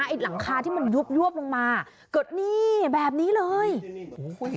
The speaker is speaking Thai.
ไอ้หลังคาที่มันยุบยวบลงมาเกิดนี่แบบนี้เลยโอ้โหคุณ